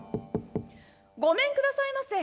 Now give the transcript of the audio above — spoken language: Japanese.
「ごめんくださいませ。